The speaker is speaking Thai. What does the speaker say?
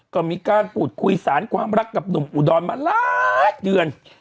ก็มีการพูดคุยสารความรักกับหนุ่มอุดรมาหลายเดือน